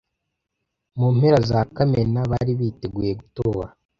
Mu mpera za Kamena, bari biteguye gutora.